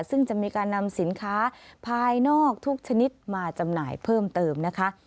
ซึ่งจะมีการนำสินค้าภายนอกทุกชนิดมาจำหน่ายเพิ่มเติมนะคะ